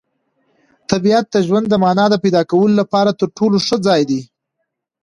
طبیعت د ژوند د مانا د پیدا کولو لپاره تر ټولو ښه ځای دی.